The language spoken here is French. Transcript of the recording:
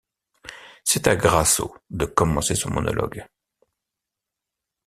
C'est à Grassot de commencer son monologue.